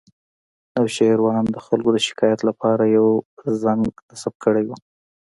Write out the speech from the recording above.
نوشیروان د خلکو د شکایت لپاره یو زنګ نصب کړی و